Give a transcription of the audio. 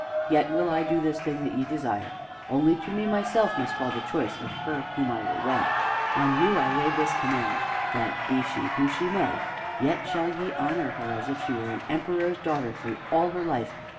Yet will I do this thing that ye desire. Only to me myself must fall the choice of her whom I will wed. On you I lay this command that, be she who she may, yet shall ye honor her as if she were an Emperor's daughter through all her life.